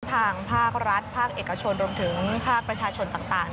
ทางภาครัฐภาคเอกชนรวมถึงภาคประชาชนต่าง